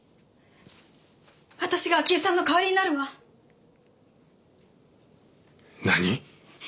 私が明江さんの代わりになるわ。何！？